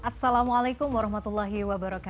assalamualaikum wr wb